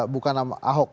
bukan nama ahok